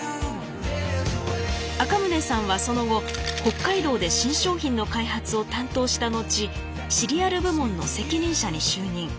赤宗さんはその後北海道で新商品の開発を担当した後シリアル部門の責任者に就任。